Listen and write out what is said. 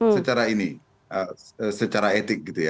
secara ini secara etik gitu ya